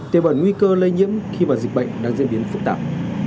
tiêu bản nguy cơ lây nhiễm khi mà dịch bệnh đang diễn biến phức tạp